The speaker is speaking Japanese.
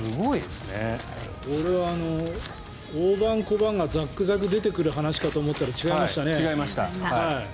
これは大判小判がザクザク出てくる話かと思ったら違いましたね。